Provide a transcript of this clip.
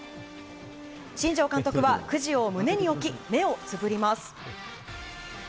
新庄監督はくじを胸に置き目をつぶります。